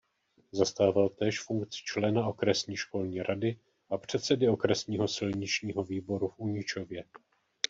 Zastával též funkci člena okresní školní rady a předsedy okresního silničního výboru v Uničově.